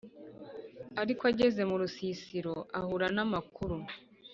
ariko ageze murusisiro ahura namakuru